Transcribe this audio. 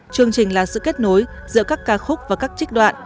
chương trình là sự kết nối giữa các ca khúc và các trích đoạn